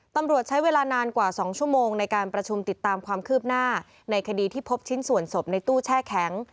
ตำรวจใช้เวลานานกว่า๒ชั่วโมงในการประชุมติดตามความคืบหน้าในคดีที่พบชิ้นส่วนศพในตู้แช่แข็ง